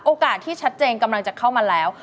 โอกาสที่ชัดเจนกำลังจะเข้ามาแล้ว